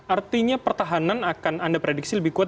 artinya pertahanan akan anda prediksi lebih kuat